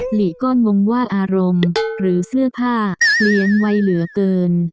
หลีก้อนงงว่าอารมณ์หรือเสื้อผ้าเลี้ยงไว้เหลือเกิน